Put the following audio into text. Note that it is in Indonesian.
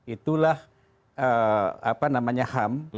itulah apa namanya ham